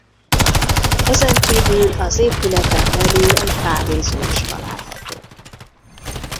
Ezen kívül az épületen belül egy kávézó is található.